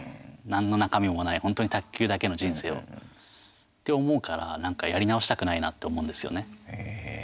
何の中身もないほんとに卓球だけの人生をって思うからやり直したくないなって思うんですよね。